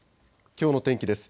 きょうの天気です。